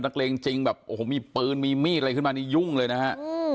เล็งจริงแบบโอ้โหมีปืนมีมีดอะไรขึ้นมานี่ยุ่งเลยนะฮะ